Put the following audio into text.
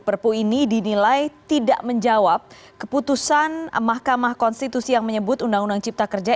perpu ini dinilai tidak menjawab keputusan mahkamah konstitusi yang menyebut undang undang cipta kerja